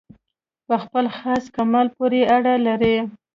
په خپل خاص کمال پوري اړه لري.